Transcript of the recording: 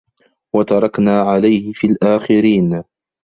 وَتَرَكنا عَلَيهِ فِي الآخِرينَ